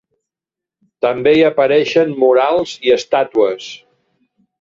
També hi apareixen murals i estàtues.